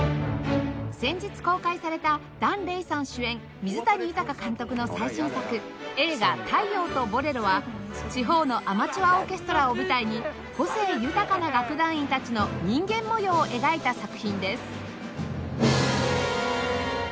先日公開された檀れいさん主演水谷豊監督の最新作映画『太陽とボレロ』は地方のアマチュアオーケストラを舞台に個性豊かな楽団員たちの人間模様を描いた作品です